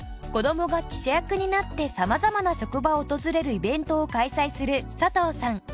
子どもが記者役になって様々な職場を訪れるイベントを開催する佐藤さん。